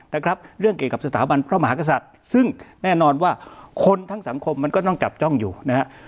นะครับเรื่องเกี่ยวกับสถาบันพระมหากษัตริย์ซึ่งแน่นอนว่าคนทั้งสังคมมันก็ต้องจับจ้องอยู่นะฮะ